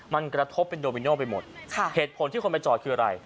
มันกระทบเป็นโดมิโนไปหมดค่ะเหตุผลที่คนไปจอดคืออะไร